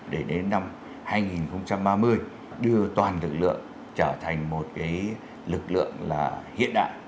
để đến năm hai nghìn ba mươi đưa toàn lực lượng trở thành một lực lượng là hiện đại